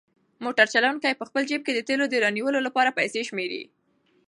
موټر چلونکی په خپل جېب کې د تېلو د رانیولو لپاره پیسې شمېري.